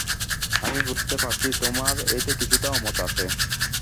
আমি বুঝতে পারছি তোমার এতে কিছুটা অমত আছে।